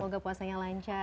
semoga puasanya lancar